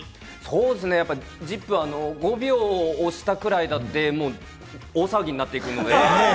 やっぱり『ＺＩＰ！』は５秒押したくらいで大騒ぎになっていくので、